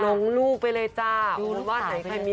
ลงลูกไปเลยจ้าคุณว่าไหนใครมี